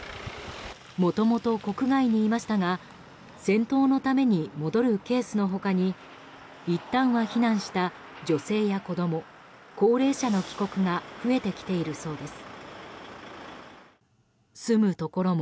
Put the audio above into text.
もともと国外にいましたが戦闘のために戻るケースの他にいったんは避難した女性や子供、高齢者の帰国が増えてきているそうです。